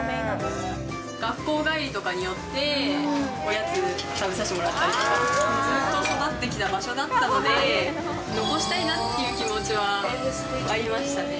学校帰りとかに寄って、おやつ食べさせてもらったりとか、ずっと育ってきた場所だったので、残したいなっていう気持ちはありましたね。